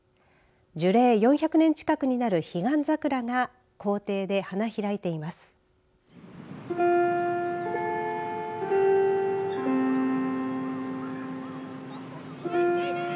樹齢４００年近くになるヒガンザクラが校庭で花開いています。